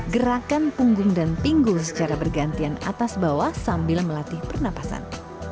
gerakan punggung dan pinggul secara bergantian atas bawah sambil melatih pernapasan